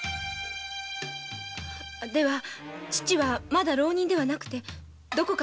では父はまだ浪人ではなくどこかの藩の。